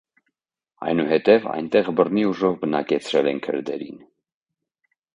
Այնուհետև այնտեղ բռնի ուժով բնակեցրել են քրդերին։